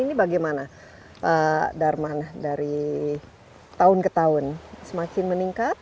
ini bagaimana pak darman dari tahun ke tahun semakin meningkat